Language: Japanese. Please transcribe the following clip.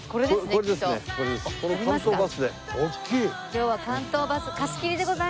今日は関東バス貸し切りでございます。